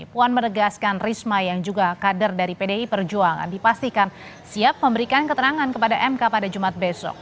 puan menegaskan risma yang juga kader dari pdi perjuangan dipastikan siap memberikan keterangan kepada mk pada jumat besok